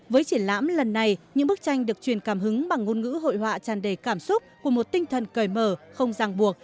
với triển lãm lần này những bức tranh được truyền cảm hứng bằng ngôn ngữ hội họa tràn đầy cảm xúc của một tinh thần cởi mở không giang buộc